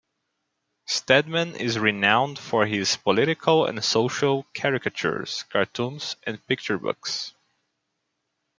Steadman is renowned for his political and social caricatures, cartoons and picture books.